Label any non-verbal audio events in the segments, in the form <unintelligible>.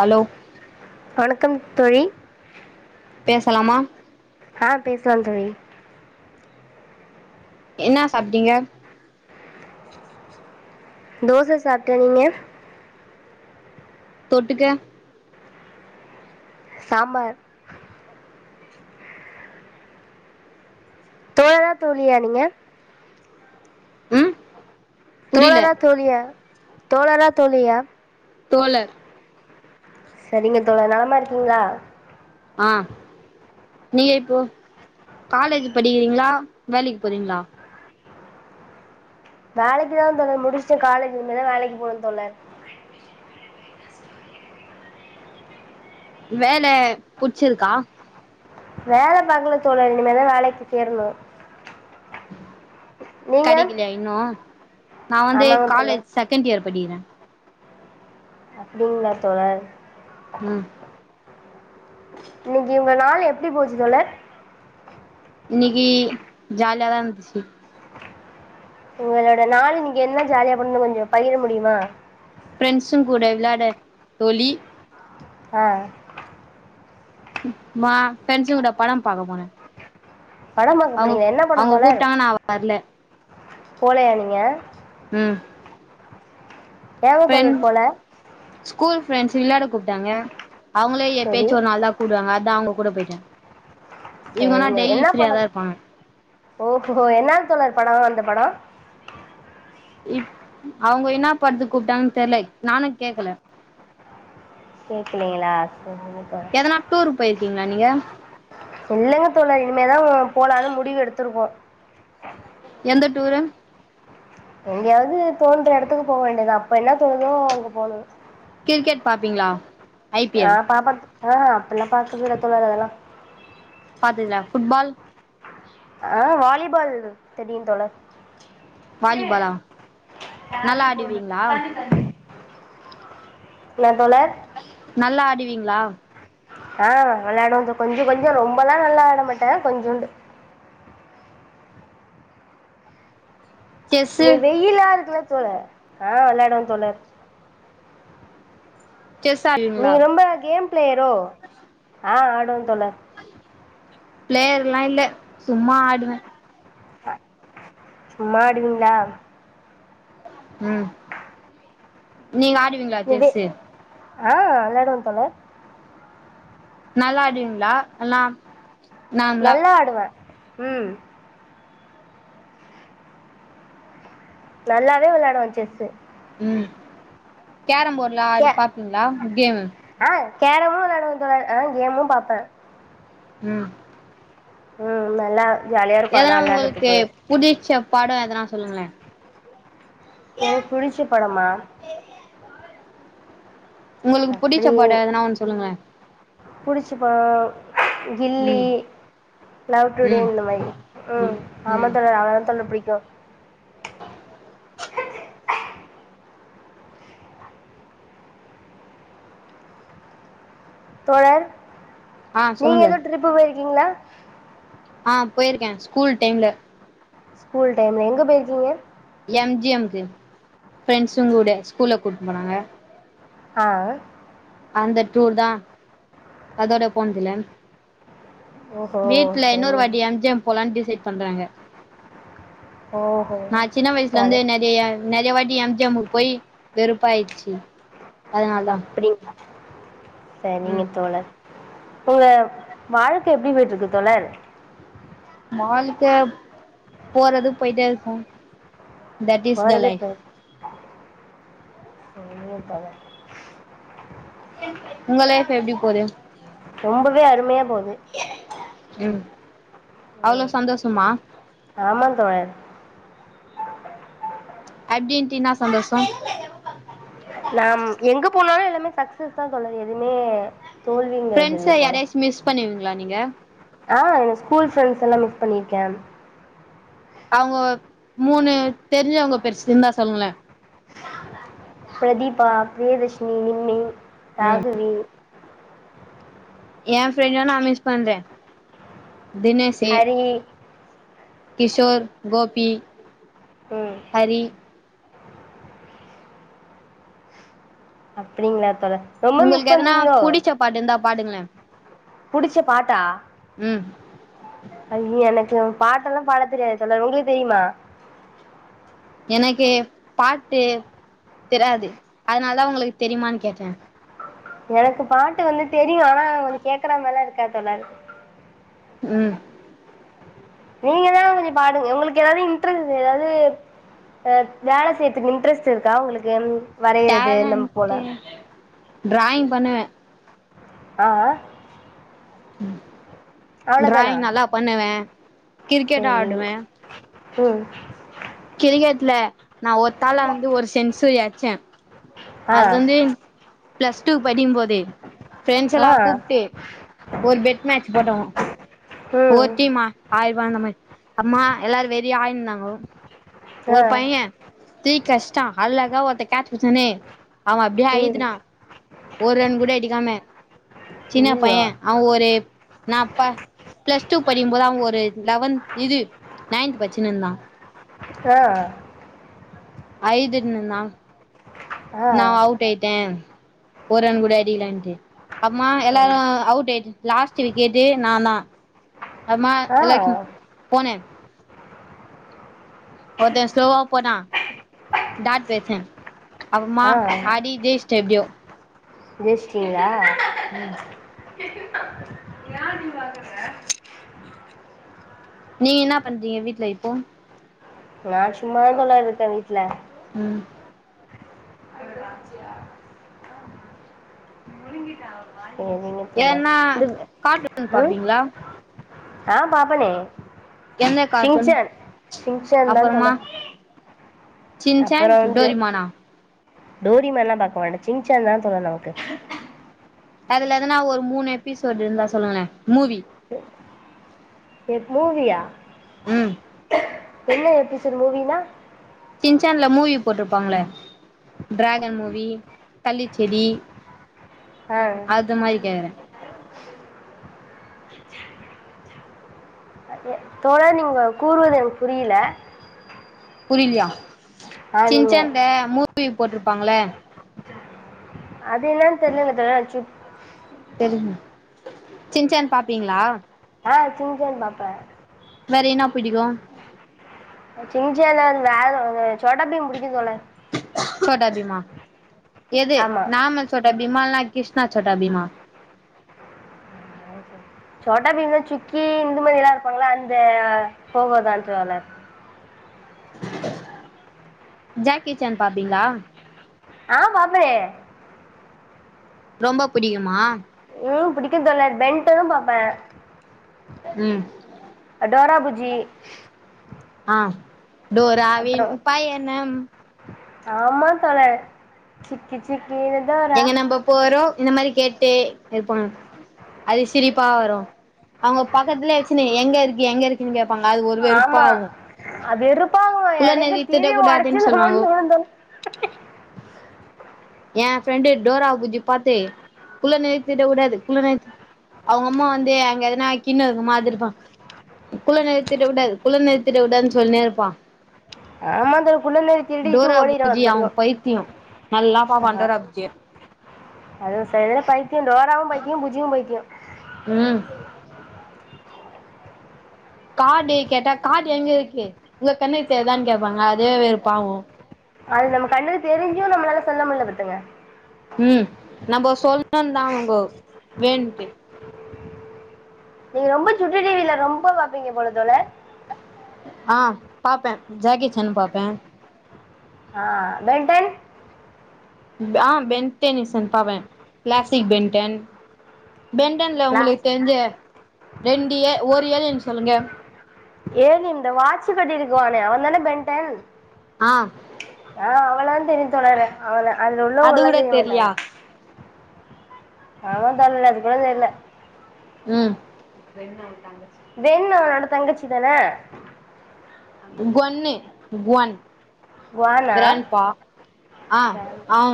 hello வணக்கம் தோழி பேசலாமா அ பேசலாம் தோழி என்ன சாப்பிட்டீங்க தோசை சாப்டேன் நீங்க தொட்டுக்க சாம்பார் தோழா தோழியா நீங்க ம் புரில தோழர தோழிய தோழர தோழியா தோழர் சரிங்க தோழ நலமா இருக்கீங்களா அ நீங்க இப்போ காலேஜ் படிக்கிறீங்களா வேலைக்கு போறீங்களா வேலைக்குதான் தோழர் முடிச்சுட்டு காலேஜ் இனிமேதா வேலைக்கு போணும் தோழர் வேலை புடிச்சிருக்கா வேலை பாக்கல தோழர் இனிமேதா வேலைக்கு சேரணும் நீங்க கடைக்கலையா இன்னும் நான் வந்து ஆமாங்க தோழர் காலேஜ் செகண்ட் இயர் படிக்கற அப்படிங்களா தோழர் ம் இன்னைக்கு உங்க நாள் எப்படி போச்சு தோழர் இன்னைக்கு ஜாலியாதா இருந்துச்சு உங்களோட நாளு நீங்க என்ன ஜாலியா பண்ணன்னு கொஞ்சம் பகிர முடியுமா ஃப்ரெண்ட்ஸுங் கூட விளாட தோழி ஆ மா ஃப்ரெண்ட்ஸுங் கூட படம் பாக்க போன படம் பாக்க போனீங்ளா என்ன படம் தோழர் கூப்ட்டாங்க நா வர்ல போலையா நீங்க அ ஏங்க தோழர் போல ஸ்கூல் ஃப்ரெண்ட்ஸு விளாட கூப்ட்டாங்க அவுங்களே சரி எப்பயாச்சு ஒரு நாள் தா கூப்டுவாங்க அதா அவுங்க கூட போயிட்ட இவ்கனா டெய்லி ஃப்ரீயாதா இருப்பாங்க ஓ ஹோ என்னாங் தோழர் படொ அந்த படொ இப் அவ்ங்க என்னா படத்துக் கூப்ட்டாங்கன் தெர்ல நானு கேக்கல கேக்குலைங்களா எதனா டூருக் போயிருக்கீங் ளா நீங்க இல்லங்க தோழர் இனிமேதா போலானு முடிவு எடுத்துருக்கோ எந்த டூரு எங்கேயாவ்து தோன்ற எடத்துக் போ வேண்டியதா அப்ப என்ன தோணுதோ அங்க போணு கிரிக்கெட் பாப்பீங்ளா ஆ பாப்ப ஆ அப்புல்லா பாக்கற்தில்ல அதெல்லா பாத்ததில்யா ஃபுட்பால் ஆ வாலிபால் தெரியு தோழர் வாலிபாலா நல்லா ஆடுவீங்களா என்ன தோழர் நல்லா ஆடி பீங்ளா ஆ வெளாடுவ கொஞ்சொ கொஞ்சொ ரொம்பல்லா நல்லா ஆட மாட்ட கொஞ்சோண்டு செஸ்ஸு இன்னைக் வெயிலா இருக்குல தோழர் ஆ விளாடுவ தோழர் செஸ் ஆடுவீங்களா நீங்க ரொம்ப கேம் ப்ளேயரோ ஆ ஆட் வ தோழர் ப்ளேயர்லா இல்ல சும்மா ஆடுவ சும்மா ஆடுவீங்ளா ம் நீங்க ஆடுவீங்ளா இது செஸ்ஸு ஆ விளாடுவ தோழர் நல்லா ஆடுவீங்ளா எல்லா நார்மலா நல்லா ஆடுவே உம் நல்லாவே விளாடுவோ செஸ்சு ம் கேரம் போட்லா அது பாப்பீங்ளா கேம் கேரமு விளாடுவெ தோழர் ஆ கேமு பாப்பே ம் ம் நல்லா ஜாலியாக இருக்கும் எதனா அதெல்லாம் உங்குளுக்கு விளாட்றதுக்கு புடிச்ச படோ எதனா சொல்லுங்களே எனக் புடிச்ச படமா உங்குளுக்கு புடிச்ச படோ எதனா ஒன் சொல்லுங்களே புடிச்ச படோ கில்லி ம் லவ் டுடே ம் இந்த மாரி ம் ஆமா ம் தோழர் அவ்ளதா தோழர் புடிக்கு தோழர் ஆ நீங்க சொல்லுங்க எதோ ட்ரிப்பு போயிருக்கீங்ளா அ போயிருக்கே ஸ்கூல் டைம்ல ஸ்கூல் டைம்ல எங்க போய்ருக்கீங்க எம் ஜி எம் க்கு ஃப்ரெண்ஸுங் கூட ஸ்கூல்ல கூட்னு போனாங்க அ ஆ அந்த டூர் தா அதோட போன்தில்ல ஓஹோ வீட்ல இன்னொரு சரிங்க வாட்டி எம்ஜ்யம் போலான் டி சேட் பண்றாங்க ஓஹோ நா சின்ன வய்ஸ்லந்தே ஜாலி நெறிய நெறிய வாட் டி எம்ஜ்யம்முக்கு வெருப்பாய்ச்சி அப்படிங் <inaudible> செரிங்க ம் தோழர் உங்க வாழ்க்க எப்டி போய்ட்ருக்கு தோழர் வாழ்க்க போறது போய்ட்டே ருக்கோ தட் இஸ் த போறதே லைஃப் போய் <unintelligible> உங்க லைஃப் எப்டி போது ரொம்பவே அருமையா போது ம் அவ்ளோ ம் சந்தோசமா ஆமா தோழர் அப்டீன்ட்டு இன்னா சந்தோஸோ னிமே சக்சஸ்தா தோழரே எதுமே ஃபரெண்ட்ஸ்ஸ யாரையாச்சா மிஸ் பண்ணுவீங்களா நீங்க ஆ எங்க ஸ்கூல் ஃரெண்ட்ஸ் எல்லா மிஸ் பண்ணியிருக்க அவுங்க மூணு தெரிஞ்சவங்க பேரு சிந்தா சொல்லுங்களேன் பிரதீபா பிரியதர்ஷினி நிம்மி ம் ராகவி ஏ ஃப்ரெண்ட நா மிஸ் பண்ற தினேசு ஹரி கிஷோர் கோபி ம் ஹரி அப்டிங்களா தோழர் ரொம்ப மிஸ் உங்களுக்கு எதனா பண்றீங்களோ புடிச்ச பாட்டு இந்தா பாடுங்களேன் புடிச்ச பாட்டா ம் ஐய்ய எனக் கு பாட்டெல்லா பாடத் தெரியாது தோழர் உங்களுக்கு தெரியுமா எனக்கு பாட்டு தெராத்து அதனாலதா உங்களுக்கு தெரியுமான்னு கேட்டேன் எனக்கு பாட்டு வந்து தெ ரியு ஆனா கொஞ்ச கேக்கறமாரில்லா இருக் காது தோழன் உம் நீங்கதான் கொஞ்சோ பாடுங்க உங்களுக்கு எதாவது இன்ட்ரெ எதாவது அ வேல செய்யறதுக்கு இன்ட்ரெஸ்ட் இருக்கா உங்களுக்கு ம் வரையறது நம் போல டேலண்ட்டு டிராயிங் பண்ணுவ ஆ ஹ் டிராயிங் நல்லா பண்ணுவன் செரி உம் கிரிக்கெட்ல நா ஒத்தாலா வந்து ஒரு சென்சுயர் ச்ச ஆ அதுவந்து பிளஸ் டூ படிம்போதே ஃப்ரெண்ட்ஸ் ஆ எல்லா கூப்ட்டு ஒரு பெட் மேட்ச் போட்டோ ம் போத்திமா ஆய் ருவா அந்த மாரி அம்மா எல்லாரு வெறி ஆயிருந்தாங்கோ ஆ ஒரு பைய்ய டீ கஷ்டோ அழகா ஒருத்தன் கேட்ச் புடுச்சொன்னே அவ அப்டியே ம் அயத்துனா ஒரு ரன் கூட எடுக்காம சின்ன பைய ஐயோ அவ ஒரு நா ப பிளஸ் டூ படிக்கு போது அவ ஒரு லெவன்த் இது நைன்த் படிசினுருந்தா ஆ ஐதுநுணா ஆ நா அவுட்டாயிட்டே ஒரு ரன் கூட அடிக்கலன்ட்டு அப்பமா சரி எல்லாரும் அவுட் ஆயிட்டு லாஸ்ட் விக்கெட்டு ந நா அம்மா ஆ எல்லாத்க்கு போனே ஒருத்த ஸ்லோவா போனா டாட் வச்சேன் அபரம்மா ஆடி ஜேஷ் எப்படியோ ஜெய்சிண்டிங்களா ம் நா இதுவாங்கற நீ என்னா பண்றீங்க வீட்டு்ல இப்போ நா சும்மாத தோழா இருக்கே வீட்ல ம் சரிங்க தோழா வீட் கார்டூன் பாப்பீங்களா ஆம் பாப்பனே என்ன கார்ட்டூன் ஷிங்சான் ஷிங்சான் தான் அப்புறமா தோழா சின்சான் டோரிமானா டோரிமேன் லாம் பாக்க மாட்டேன் சிங்சான் தான் தோழா நமக்கு அதுல எதனா ஒரு மூணு எபிசோடு் இருந்தா சொல்லுங்கலே மூவி எது மூவியா ம் என்ன எபிசோடு மூவினா சின்சன்ல மூவி போட்ருப்பாங்களே ட்ராகன் மூவி தள்ளிச்செடி ஆ அது மாரி கேக்றே தோழர் நீங்க கூறுவது எனக்கு புரில புரிலயா நீங்கள் சின்சன்ட மூ வி போட்ருப்பாங்கள அது என்னனு தெர்லங்க தோழர் சின் சின்சன் பாப்பிங்ளா ஆ சின்சன் பாப்பேன் வேற என்ன பிடிக்கு சின்சன் அ வேற சோட்டா பீம் புடிக்கு தோழர் சோட்டா பீமா எது ஆமா நாம சொல்ற பிமால்ல க்ரிஷ்ணா சோட்டா பீமா சோட்டா பீம்ல சுக்கி இந்த மாரிலா இருப்பாங்கல அந்த போகோ <unintelligible> ஜாக்கிஜான் பாப்பீங்ளா ஆ பாப்பனே ரொம்ப புடிக்குமா ம் புடிக்கு தோழர் பென்டனு பாப்பே ம் டோரா புஜ்ஜி ஆஹ் டோராவின் பயணம் ஆமா தோழர் சிக்கிச் சிக் எங்க நம்ம போறோ இந்த மாரி கேட்டே இருப்பாங்க அது சிரிப்பா வரு அவங்க பக்கத்துலயே வச்சுனு எங்க இருக்கு எங்க இருக்குனு கேப் பாங்க அது ஒரு ஆமா வெறுப்பாவு அது வெறுப் பா வரு குள்ள எனக்கு நெறி டீவிய திட்டக்கூடாதுன்னு ஒடச்சுர்லானு சொல்லுவாங்க தோணு என் ஃப்ரெண்டு டோரா புஜ்ஜி பாத்து குள்ள நரி திருடக் கூடாது குள்ள நரி அவுங்க அம்மா வந்து அங்க எதனா கின்ன இருக்க மாதிரி இருக்கு குள்ள நரி திருடக் கூடாது குள்ள நரி திருடக் கூடாதுனு சொல்லினே இருப்பா ஆமா அந்த குள்ள நரி திருடிட்டு டோரா ஓடிரு புஜ்ஜி அது அவ பாட்டுக்கு பைத்தியோ நல்லா பாப்பா அஹ் டோரா புஜ்ஜிய அது சரியான பைத்திய டோராவு பைத்திய புஜ்ஜியு பைத்திய ம் காடு கேட்டா காடு எங்க இருக்கு உங்க கண்ணுக்கு தெரிதானு கேப்பாங்க அதே வெறுப்பாவு அது நம்ம கண்ணுக்கு தெரிஞ்சு நம்மளால சொல்ல முடில பாத்துக்குங்க உம் நம்ம சொல்ணும்தா அவுங்க வேன்ட்டு நீங்க ரொம்ப சுட்டி டிவில ரொம்ப பாப்பீங்க போல தோழர் ஆ பாப்பே ஜாக்கி ஜானு பாப்பே ஆ பெண்டன் ஆ பென்டனிசன் பாவே கிளாசிக் பென்டன் பெண்டன்ல உங்குளுக்கு பிளாஸ்ட் தெரிஞ்ச ரெண்டு ஏ ஒரு ஏலியன் சொல்லுங்க ஏன் இந்த வாச்சு கட்டி இருக்குவானே அவன் தானே பென்டன் ஆ ஆ அவளான் தெரிது தோழறே அவ தா அதுல உள்ளவங்க அது எல்லாம் கூட செய்ய மாட்டாங்க தெர்லியா ஆமா தோழர் அது கூட தெரில உம் வெண் அவனோட தங்கச்சி தானே கொன்னு க்வன் குவானா கிராண்ட் பா அ அவ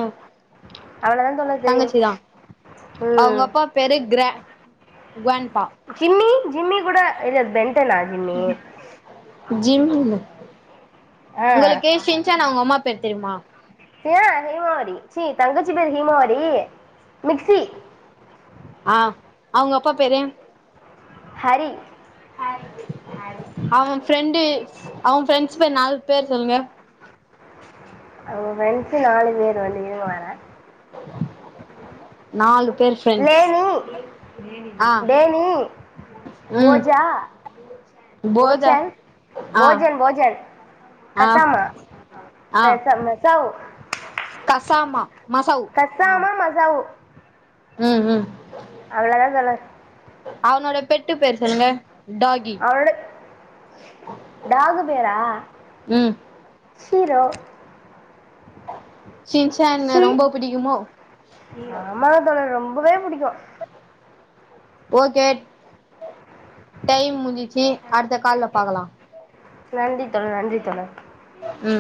அவளதான் தோழர் தெரியும் தங்கச்சி தா அவுங்க ம் அப்பா பேரு கிரா உவன்பா ஜிம்மி ஜிம்மி கூட இல்ல பென் ஜிம் ஆ உங்களுக்கு ஷின்சேன அவுங்க அம்மா பேர் தெரியுமா ஆ ஹீமாவரி சீ தங்கச்சி பேரு ஹீமாவரி மிக்சி ஆ அவுங்க அப்பா பேரு ஹரி அவ ஃப்ரெண்டு அவ ஃப்ரெண்ட்ஸ் பேர் நால் பேர் சொல்லுங்க அவுங்க ஃப்ரெண்ட்ஸு நாலு பேர் வந்து இருங்க வர நாலு பேர் ஃப்ரெண்ட்ஸ் லேனி ஆ டேனி ம் போஜா போத போச்சன் ஆ போஜன் போஜன் ஆ கசாமா ஆ பெச மெசாவ் கசாமா மசவ் ஆ கசாமா ம் ம் அவ்ள தா தோழர் அவனோட பெட்டு பேர் சொல்லுங்க டாகி அவளோட டாகு பேரா ம் ஷீரோ ஷின்சேன ஷீ ரொம்ப புடிக்குமோ பவே புடிக்கு ஓகே டைம் முஞ்சிச்சி அடுத்த கால்ல பாக்கலா நன்றி தோழர் நன்றி தோழர் ம்